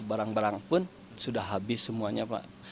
barang barang pun sudah habis semuanya pak